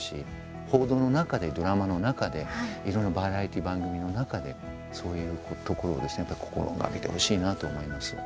報道の中で、ドラマの中でいろんなバラエティー番組の中でそういうところをですね心がけてほしいなと思います。